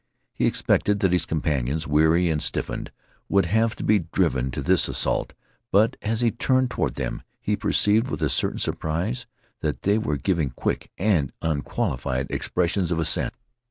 He expected that his companions, weary and stiffened, would have to be driven to this assault, but as he turned toward them he perceived with a certain surprise that they were giving quick and unqualified expressions of assent.